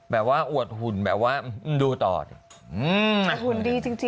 แบบว่าอวดหุ่นแบบว่าดูต่อดิ